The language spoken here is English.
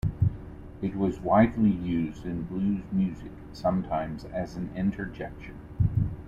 It was widely used in blues music, sometimes as an interjection.